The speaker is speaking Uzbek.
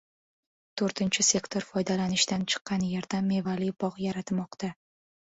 To‘rtinchi sektor foydalanishdan chiqqan yerda mevali bog‘ yaratmoqda